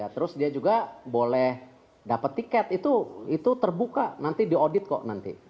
terus dia juga boleh dapat tiket itu terbuka nanti di audit kok nanti